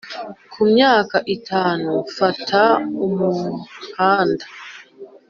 ku myaka itanu mfata umuhanda,